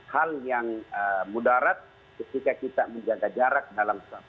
hal yang mudarat ketika kita menjaga jarak dalam